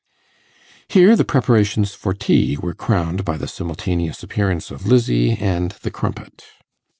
Here the preparations for tea were crowned by the simultaneous appearance of Lizzie and the crumpet.